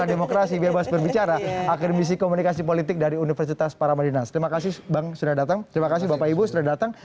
terima kasih bapak ibu sudah datang